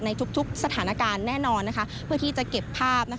ในทุกสถานการณ์แน่นอนเพื่อที่จะเก็บภาพ